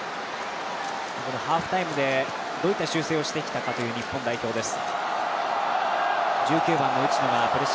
ハーフタイムでどういった修正をしてきたかという日本代表です。